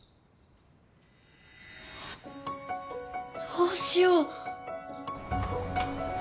どうしよう。